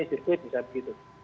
sirkuit bisa begitu